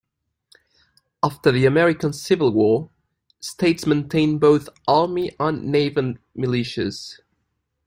After the American Civil War, states maintained both army and naval militias.